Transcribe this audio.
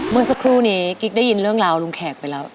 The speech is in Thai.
เมื่อสักครู่นี้กิ๊กได้ยินเรื่องราวลุงแขกไปแล้ว